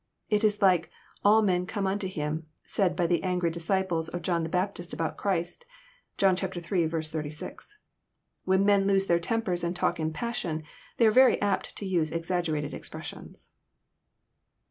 It is like '* all men come unto Him," said by the angry disciples of John the Baptist about Christ. (John iii. 86.) When men lose their tempers, and talk in passion, they are very apt to use exaggerated expressions.